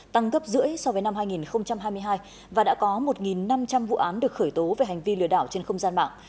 tăng gấp rưỡi so với năm hai nghìn hai mươi hai và đã có một năm trăm linh vụ án được khởi tố về hành vi lừa đảo trên không gian mạng